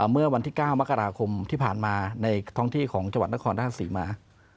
เมื่อวันที่๙มกราคมที่ผ่านมาในท้องที่ของจังหวัดนครราชศรีมา